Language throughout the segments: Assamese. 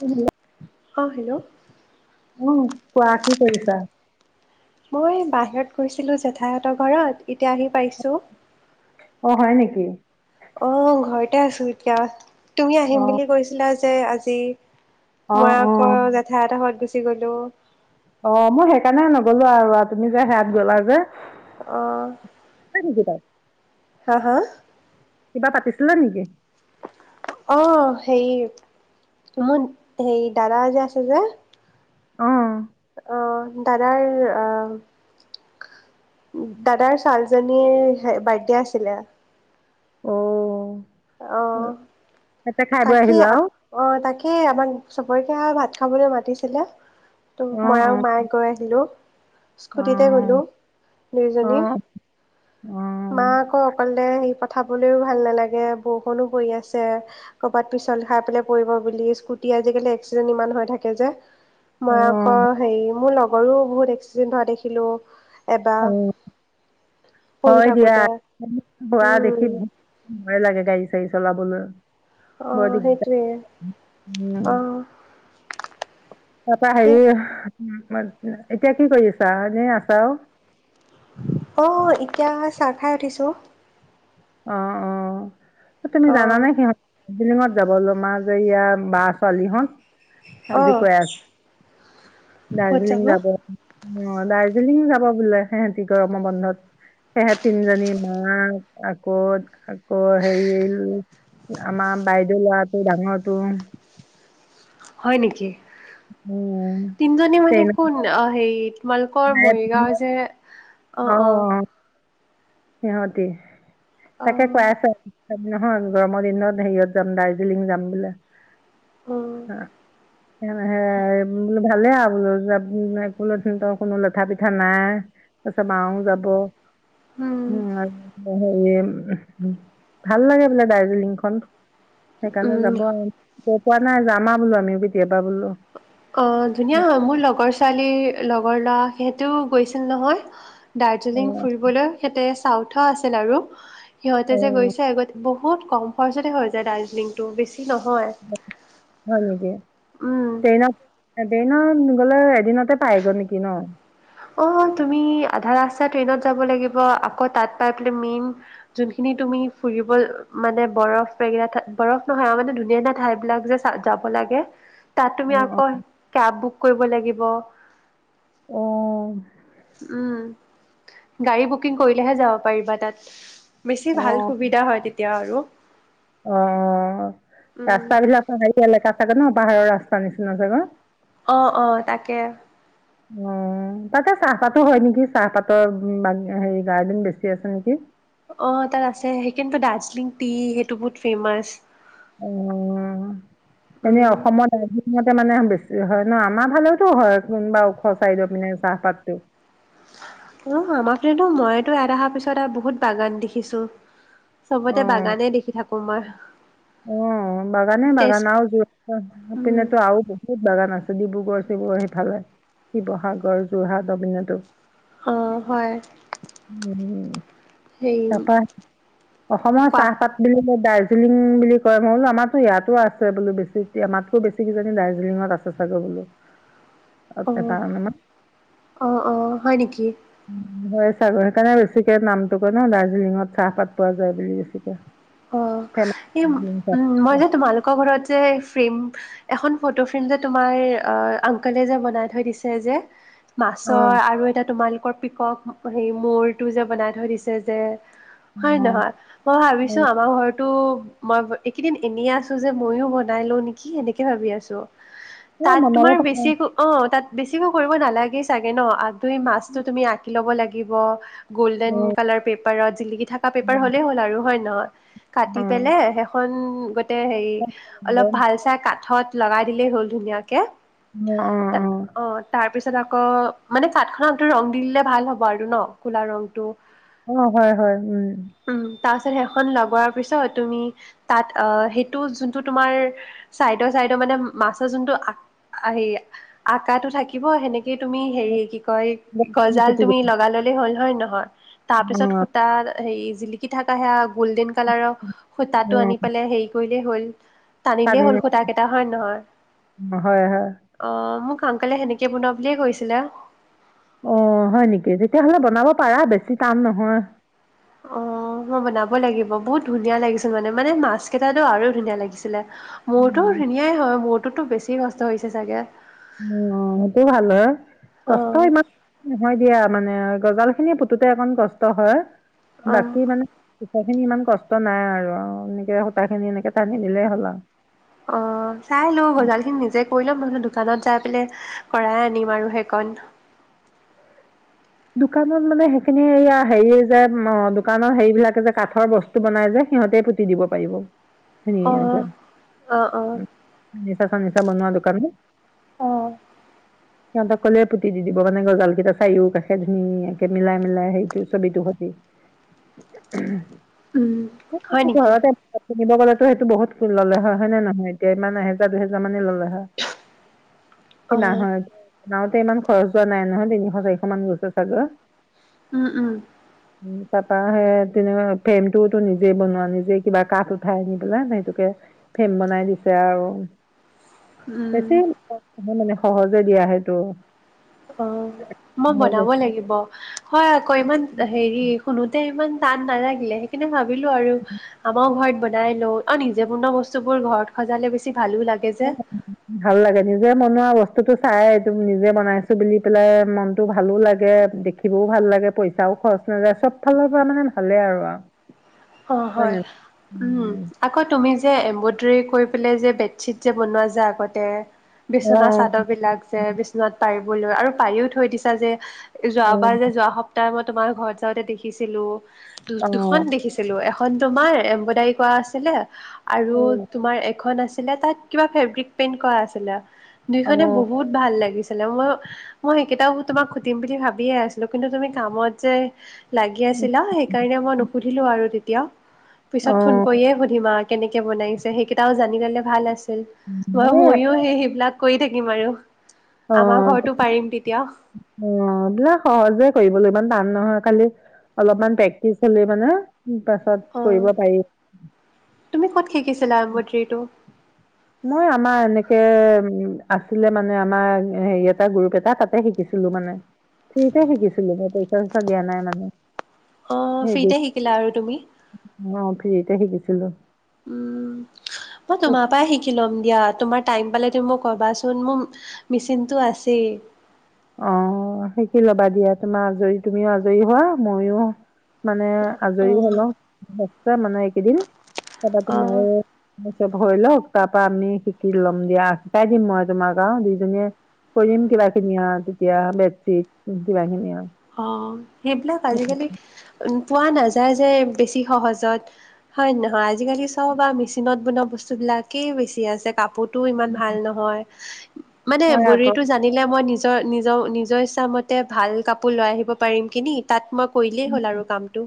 হেল্ল'। অঁ হেল্ল' উ কোৱা কি কৰিছা? মই বাহিৰত গৈছিলো জেঠাইঁতৰ ঘৰত এতিয়া আহি পাইিছোঁ। অ হয় নেকি। ও ঘৰতে আছো এতিয়া। তুমি অ আহিম বুলি কৈছিলা যে আজি অ মই অ আকৌ জেঠাই হতৰ ঘৰত গৈছিলো। [unintelligible] গ'লোঁ। অ মই সেইকাৰণে নগলো আৰু তুমি যে হেহাত গলা যে। অ। [unintelligible] হা হা কিবা পাতিছিলা নেকি? অ সেই মোৰ হেৰি দাদা যে আছে যে অ। অ দাদাৰ আহ দাদাৰ ছোৱালীজনীৰ বাৰটডে আছিলে। অ। অ তাতে খাই বৈ তাকে আহিলা আৰু অ তাকে আমাক চবকে ভাত খাবলৈ মাতিছিলে। ত অ মই অ আৰু মায়ে গৈ আহিলো। অ স্কুটিতে গলো অ দুইজনী অ মা আকৌ অকলে সি প খাবলৈও ভাল নালাগে বৰষুণো পৰি আছে ক'ৰবাত পিছল খাই পেলাই পৰিব বুলি স্কুটি আজিকালি এক্সিডেণ্ট ইমান হৈ থাকে যে। মই অ আকৌ হেৰি মোৰ লগ গৰুো বহুত এক্সিডেণ্ট হোৱা দেখিলোঁ। এবাৰ অ পঢ়ি হয় দিয়া থাকোতে হোৱা দেখি উম ভয় লাগে গাড়ী চ গাড়ি চলাবলই। অ বৰ দিগদাৰ সেইটোৱে উম অ তাৰপৰা সেই হেৰি উ এতিয়া কি কৰি আছা এনে আছাও? অ এতিয়া চাহ খাই উঠিছোঁ। অ অ। তুমি অ জানানে সিহঁত দাৰ্জিলিঙত যাব মা ইয়য়া বা ছোৱালী হত। অ আজি কৈ আছে দাৰ্জিলিং যাব। অ দাৰ্জিলিং যাব বোলে সিহঁতি গৰমৰ বন্ধত সেহে ত তিনজনী মা আকৌ আকৌ হেৰি আমাৰ বাইদেউ ল'ৰাটো ডাঙৰটো। হয় নেকি? উম, তিনজনী মানে ট্ৰেইনত কোন হেৰিত তোমালোকৰ মৰিগাঁও যে হাহ্ অ অ আহ। সিহঁতি অ', তাকে কৈ আছে হুম। নহয় গৰমৰ দিনত হেৰিয়ত যাম দাৰ্জিলিং যাম বোলে। উম, হ [unintelligible] ভালেই আৰু ৰবিৱাৰ দিনাই কোনো উমহু লঠা পিঠা নাই তাৰপিছত মা ও যাব। হুম উম। ইয়াত বহ। নেম উমহ্ হু ভাল লাগে বোলে দাৰ্জিলিং খন। সেইকাৰণে যাব আৰু ক'ত? পোৱা নাই যাম আ বোলো আমি কেতিয়াব অ ধুনীয়া হয় মোৰ লগৰ ছোৱালী লগৰ ল'ৰা সিহঁতেও গৈছিল নহয়। অ, দাৰ্জিলিং ফুৰিবলৈ সেয়াতে আছে। তাওঠা আছিল আৰু হয়। সিহঁতে যে অ, গৈছে আগত বহু বহুত কম খৰচতে হৈ যায় দাৰ্জিলিং টো বেছি নহয় হয়নেকি উম। ট্ৰেইনত। এদিনত গলে এদিনতে পাইগ' নেকি ন। অ তুমি আধা ৰাস্তা ট্ৰেইনত যাব লাগিব আকৌ তাত পাই পেলাই মিন যোনখিনি তুমি ফুৰিব অ মানে বৰফ বেগেৰা ঠাই বৰফ নহয় আৰু মানে ধুনীয়া ধুনীয়া ঠাই বিলাক যে চা যাব লাগে। তাত তুমি অঁ আকৌ কেব বুক কৰিব লাগিব। ব'হ অ অ অ। [inaudible] উম গাড়ী বুকিং কৰিলেহে যাব পাৰিবা তাত উমস বেছি ভাল সুবিধা হয় তেতিয়া আৰু অ অ অ অ উম, ৰাস্তা বিলাকো হেৰি এলেকা চাগে ন। পাহাৰিয়া ৰাস্তাৰ নিচিনা জাগা। অ অ তাকে। উ উ উ তাতে চাহপাতো হয় নেকি, চাহপাতৰ বা হেৰি গাৰ্ডেন বেছি আছে নেকি। অ তাত আছে সেইকাৰণে ত দাৰ্জিলিং টি সেইটো বহুত ফেমাচ। অ অ অ উম উ এনেই উম, অসমত দাৰ্জিলিংত ইয়াতে মানে বেছি হয় ন আমাৰ ফালেওতো হয় কোনোবা ওখ চাইডৰ পিনে চাহপাতটো। অহ আমাৰ ফালেতো মইতো ইয়াত আহাৰ পিছত আৰু বহুত বাগান দেখিছো। অ অহ বাগানে তেজ বাগান আৰু উম যপিনেতো আৰু বহুত বাগান আছে ডিব্ৰুগড় চিবুগড় সিফালে শিৱসাগৰ যোৰহাট অপিনতো অ হয় উম, সেই তাৰপা অসমৰ চাহপাত বুলি দাৰ্জিলিং বুলি কয় মই বোলো আমাৰতো ইয়াতো আছে বোলো বেছি আমাতকো বেছি কিইজানি দাৰ্জিলিংত আছে চাগে বোলো অহ এটা মানে অহ অহ হয় নেকি হয় ছাগৈ সেইকাৰণে বেছিকে নামটো কয় ন দাৰ্জিলিংত চাহপাত পোৱা যায় বুলি বেছিকে অ ফেমাচ এই উ দাৰ্জিলিং মই চাহপাতটো। যে তোমালোকৰ ঘৰত যে ফ্ৰেম এখন ফটো ফ্ৰেম যে তোমাৰ আংকলে যে বনাই থৈ দিছে যে অ মাছৰ আৰু এটা তোমাৰ ওখ পিকক হে ময়ূৰটো যে বনাই থৈ দিছে যে হয় অ নহয় মই ভাবিছো অ আমাৰ ঘৰতো মই এইকেইদিন এনেই আছো যে মইয়ো বনাই লও নেকি সেনেকে ভাবি আছো অ তাত বনাব তোমাৰ পাৰা বেছি অ তাত বেছিকৈ কৰিব নালাগেই চাগে ন তুমি মাছতো তুমি আঁকি লব লাগে লাগিব গ'ল্ডেন অ কালাৰ পেপাৰত জিলিকি থকা অ পেপাৰ হ'লেই হ'ল আৰু হয় নহয় অ কাটি পেলাই শেষত উ হেৰি অ অলপ ভাল চাই কাঠত লগাই দিলেই হ'ল ধুনীয়াকে উম উ উ অ তাৰপিছত আকৌ মানে কাঠখনত আকৌ ৰং দি দিলে ভাল হ'ব আৰু ন কলা ৰংটো অ হয় হয় উম তাচত সে খন লগোৱাৰ পিছত তুমি তাত অ সেইটো যোনটো তোমাৰ চাইডৰ চাইডৰ মানে মাছৰ যোনটো হে আকাৰটো থাকিব সেনেক তুমি অ হেৰি কি কয় অ গজাল তুমি লগাই ললে হ'ল হয় নে নহয় হয় তাৰ পিছত সূতা হেৰি জিলিকি থাকা সেয়া গল্ডেন কালাৰৰ সূতাটো আনি পেলাই হেই কৰিলে হ'ল টানিলেই পানী হ'ল খুটা কেইটা হয় নহয় হয় হয় অ মোক অংকলে সেনেকে বনোৱা বুলিয়ে কৈছিলে অ হয় নেকি তেতিয়াহলে বনাব পাৰা বেছি টান নহয় অ মই বনাব লাগিব বহুত ধুনীয়া লাগিছিল মানে মানে মাছ কেইটাটো আৰু ধুনীয়া লাগিছিলে মোৰতো নহয় ধুনীয়াই হয় মোৰ টোতো বেছি কষ্ট হৈছে চাগে অ সেইটো ভাল হয় কষ্ট অ' ইমান নহয় দিয়া মানে গজাল খিনি পুতোতে অকণ কষ্ট হয় অ'। বাকি মানে। সূতা খিনি ইমান কষ্ট নাই আৰু সেই সূতা খিনি এনেকে টানি দিলেই হ'ল আৰু। অ চাই লওঁ গজালি খিনি নিজে কৰিলেও [unintelligible] দোকানত যাই পিনে কৰাই আনিম আৰু সেইকণ। দোকানত মানে সেইখিনি হেৰি যে দোকানৰ হেৰি বিলাকে যে কাঠৰ বস্তু বনাই যে সিহঁতে পুতি দিব পাৰিব। অ' নিয়জন অ' অ' উ নিজ কাম নিজে [unintelligible] দোকান নে অ সিহঁতসকলে পুতি দি দিব মানে গজাল কেইটা চাৰিও কাষে । ধুনীয়াকে মিলাই মিলাই সেইটো ছবিটো সৈতে। [unintelligible] উম হয় নেকি নিব গ'লেতো সেইটো বহুত ললে হয়। হয় নে নহয় এতিয়া ইমান এহেজাৰ দুহেজাৰ মানে ল'লে। কিনা অ' হয় নত ইমান খৰচ যোৱা নাই নহয় তিনিশ চাৰিশ মান গৈছে। তই চাগৈ। উম উম। তাৰ পৰা সেই তেনেকৈ ফ্ৰেমটোওতো নিজে বনোৱা নিজে কিবা কাঠ উঠাই আনি পেলাই সেইটোকে ফেম বনাই দিছে আৰু। উম বেছি। সহজে দিয়া সেইটো। অ মই বনাব- লাগিব হয় আকৌ ইমান হেৰি শুনোতে ইমান। চান নালাগিলে সেইকানে ভাব- ভাবিলো আৰু আমাৰ ঘৰত। বনাই লওঁ আৰু নিজে বনোৱা বস্তু বোৰ ঘৰত সজালে বেছি। ভালো লাগে যে। ভাল লাগে নিজে বনোৱা বস্তু- বস্তুতটো চাই নিজে বনাইছো বুলি পেলাই মনতো ভালো লাগে দেখিবও ভাল লাগে পইচাও খৰচ নাযায় চব ফালৰ পৰা মানে ভালে আৰু আৰু। অ' হয়, উম আকৌ তুমি যে যে এমব্ৰইদৰী কৰি পেলাই যে বেডশ্বীট যে বনোৱা যে আগতে। বিছনা অ', চাদৰ বিলাক যে বিচনাত পাৰিব। আৰু পাৰিও থৈ দিছা যে। অ', যোৱাবাৰ যে যোৱা সপ্তাহ আগত। তোমাৰ ঘৰত যাওতে দেখিছিলো । দু-দুখন অ', দেখিছো। এখন তোমাৰ এমব্ৰইডাৰী কৰা আছিলে। আৰু অ', তোমাৰ এখন আছে। আছিলে তাত কিবা ফেব্ৰিক পেইণ্ট কৰা আছিলে। অ', দুইখনে অ', বহুত ভাল লাগিছে। ম মই সেইকেইটাও তোমাক সুধিম বুলি ভাবিয়ে আছিলো কিন্তু তুমি কামত যে লাগি এ আছিলা সেইকাৰণে মই নুসুধিলো আৰু তেতিয়া। পিছত ফোন অ', কৰিয়ে সুধিম আৰু কেনেকে বনাইছে সেইকেইটাও জানি ললে ভাল আছে। ম ময়ো সেই সেইবিলাক । কৰি থাকিম আৰু অ', আমাৰ ঘৰতো পাৰিম তেতিয়া। -অ' এইবিলাক সহজে কৰিব লাগ ইমান । টান নহয় খালি অলপমান প্ৰেক্টিচ হ'লেই মানে পাছত অ', কৰিব পাৰি । তুমি ক'ত শিকিছিলা এম্ব্ৰইডাৰীটো? মই আমাৰ এনেকে উ আছিলে মানে আমাৰ হেৰি এটা গ্ৰুপ এটা তাতে শিকিছিলো মানে ফ্ৰীতে শিকিছিলো মই পইচা-চইচা দিয়া নাই মানে। অ' সেই ফ্ৰীতে শিকিলা আৰু তুমি । যিতি শিকিছিলো । উম, মই তোমাৰ পৰা শিকি ল'ম। দিয়া তোমাৰ টাইম পালে তুমি মোক ক'বাচোন মোৰ মিচিনটো আছেই । অ' শিকি ল'বা দিয়া তোমাৰ আজৰি, তুমিও আজৰি হোৱা মইও মানে আজৰি অ', হ'ল আৰু মানে এইকেইদিন কাইলৈ পৰা অ'। ময়ো চব হৈ লওক, তাৰ পৰা আমি শিকি ল'ম দিয়া। শিকাই দিম মই তোমাক আও, দুইজনীয়ে কৰিম কিবাকিবি আও তেতিয়া বেছিত কিবা খিনি আৰু অ' সেইবিলাক আজিকালি উ পোৱা নাযায়। যায়-যায় বেছি সহজত হয়, নহয় ।আজিকালি চব আৰু মেচিনত বনোৱা বস্তুবিলাকেই বেছি আছে কাপোৰত । তো ইমান ভাল নহয় মানে হয় আকৌ এমব্ৰইদৰীটো জানিলে মই নিজে নিজ-নিজৰ ইচ্ছা মতে ভাল কাপ কাপো লৈ আহিব পাৰিম কিনি তাত মই হ'ল আৰু কামটো।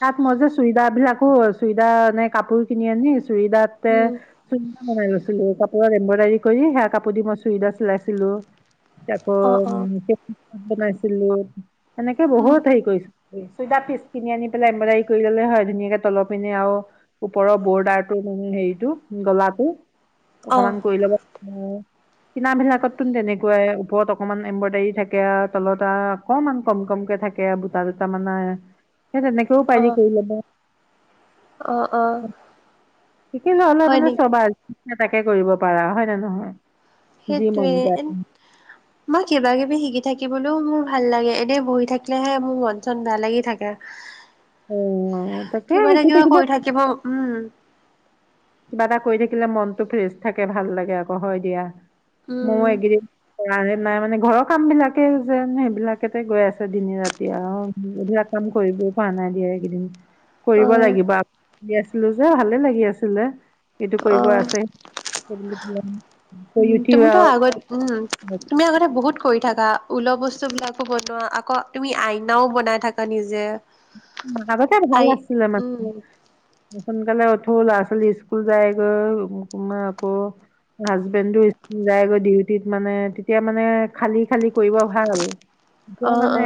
তাত ম যে চুইদা বিলাক [unintelligible] চুইদা নে কাপোৰ কিনি আনি চুদাতে উম চুবিধা বনাই আৈছিলো অ', এম্ব্ৰইডাৰী কৰি সেয়া কাপোৰ দি মই চুইদা চিলাইছিলো। তাক উ অঁ অঁ তাত নাইছিলো। এনেকে উম বহুত হেৰি কৰিছো। চদাৰ পিচ কিনি আনি পেলাই এম্ব্ৰইডাৰী কৰি ললে হয় ধুনীয়াকে তল পিনে আৰু ওপৰৰ বৰ্ডাৰটো মানে হেৰিটো গলাটো। অঁ অকমান কৰি ল'ব কিনা বিলাকত তোন তেনেকুৱাই ওপৰত অকমান এম্ব্ৰইডাৰী থাকে আৰু তলত অকনমান কম কমকে থাকে বুটা তামানাই স তেনেকেও পাইজি অঁ কৰিলে ন অঁ অঁ শিকি লোৱা হলে হয় আপোনাৰ নেকি চবা তাকে কৰিব পাৰা হয় নে নহয়। যি মন সেইটোৱে, যায় মই কিবা কিবি শিকি থাকিবলৈও মোৰ ভাল লাগে এনে বহি থাকিলেহে মোৰ মন চন বেয়া লাগি থাকে। অ তাকে কিবা ন শিকি কিবা কৰি থাকিব, উম। কিবা এটা কৰি থাকিলে মনতটো ফ্ৰেছ থাকে ভাল লাগে আকৌ হয় দিয়া। মোৰ উম এইগদন কৰা হে নাই মানে ঘৰৰ কাম বিলাকে যেন সেইবিলাকেতে গৈ আছে দিনে ৰাতি আৰুধৰা কাম কৰিবও পৰা নাই দিয়া এইকেইদিন। অ কৰিব লাগিব দি আছিলো যে ভালে লাগি আছিলে। সিটো কৰিব আছে সেইব [unintelligible] উম তুমিতো আগত, উম তুমি আগতে বহুত কৰি থাকা উওলহ বস্তু বিলাকো বনোৱা আকৌ তুমি আইনাও বনাই থাকা নিজে। ভাবাকে ভাল আই আছিল ম উম সোনকালে উঠো ল'ৰা ছোৱালী স্কুল যাইগৈাৰ আকৌ হাজবেণ্ডো স্কুল যায়গৈ ডিউটিত মানে তেতিয়া মানে খালি খালি কৰিব ভাল। এতিয়া অ মানে অ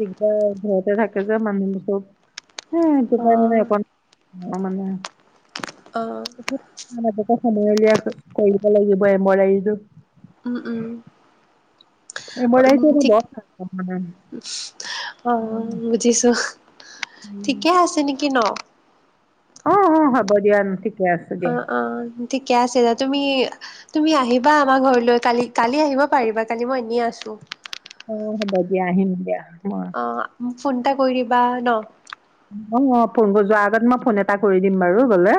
দিগদাৰ তে থাকে যে মানুহোৰ চব। এহ এইটো অ কাৰণে অকণ অ মানে অ [unintelligible] সময়লিয় কৰিব লাগিব এমব্ৰদাৰি টো উম উম। উ এম্ব্ৰইডাৰীটো মই ঠিক, বৰ ভাল পাওঁ মানে অ বুজিছো ঠিকে আছে নেকি ন? অ অ হ'ব দিয়া ঠিক অ অ ঠিকে আছে দ তুমি তুমি আহিবা আমাৰ ঘৰলৈ কালি কালি আহিব পাৰিবা কালি মই এনেই আছোঁ অ হ'ব দিয়া আহিম দিয়া। মই অ। ফোন এটা কৰি দিবা ন। অ অ ফোন যোৱাৰ আগত মই ফোন এটা কৰি দিম বাৰু গলে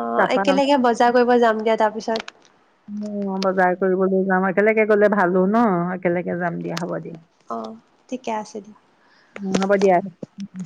অ তাৰপা একেলগে বজাৰ কৰিব যাম দিয়া তাৰ পিছত অ বজাৰ কৰিবলৈ যাম একেলগে গ'লে ভালো ন একেলগে যাম দিয়া হ'ব দিয়া। আহ ঠিকে আছে দিয়া। উম উম।